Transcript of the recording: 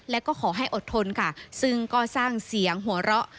และก็ขอให้อดทนค่ะซึ่งก็สร้างเสียงหัวเราะ